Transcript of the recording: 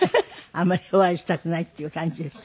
あまりお会いしたくないっていう感じです。